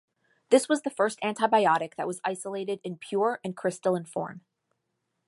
This was the first antibiotic that was isolated in pure and crystalline form.